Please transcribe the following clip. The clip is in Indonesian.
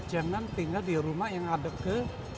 jangan tinggal di rumah yang ada ke